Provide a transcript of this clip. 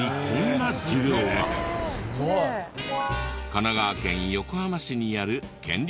神奈川県横浜市にある県立高校。